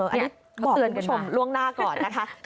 อันนี้บอกเตือนคุณผู้ชมล่วงหน้าก่อนนะคะ